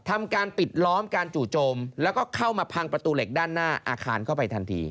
ทำการปิดล้อมการจู่โจมแล้วก็เข้ามาพังประตูเหล็กด้านหน้าอาคารเข้าไปทันที